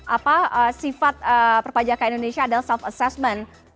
apa sifat perpajakan indonesia adalah self assessment